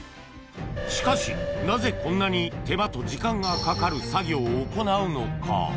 しかしなぜこんなに手間と時間がかかる作業を行うのか？